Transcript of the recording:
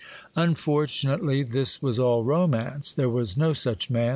Unfortunately, this was all romance,—there was no such man.